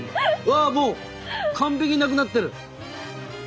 わあもう完璧なくなってる！